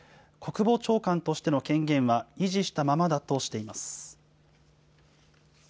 国防長官としての権限は維持したままだとしています。